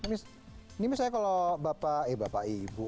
ini misalnya kalau bapak eh bapak ibu